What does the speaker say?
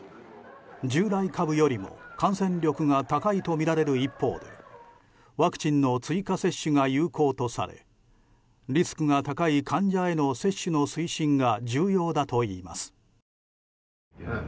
従来株よりも感染力が高いとみられる一方でワクチンの追加接種が有効とされリスクが高い患者への接種の推進が重要だといいます。